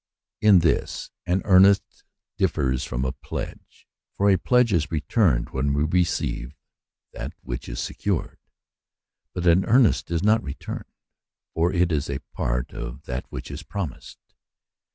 In this an earnest differs from a pledge, for a pledge is returned when we receive that which is secured ; but an earnest is not returned, for it is a part of that which is promised.